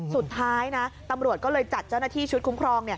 สุดท้ายนะตำรวจก็เลยจัดเจ้าหน้าที่ชุดคุ้มครอง